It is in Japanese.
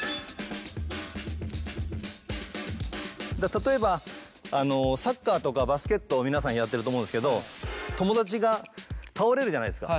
例えばサッカーとかバスケットを皆さんやってると思うんですけど友達が倒れるじゃないですか。